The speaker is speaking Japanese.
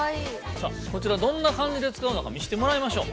さあこちらどんなかんじで使うのか見してもらいましょう。